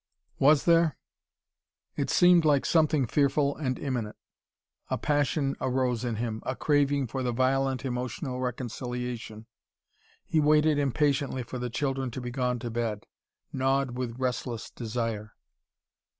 Was there? It seemed like something fearful and imminent. A passion arose in him, a craving for the violent emotional reconciliation. He waited impatiently for the children to be gone to bed, gnawed with restless desire.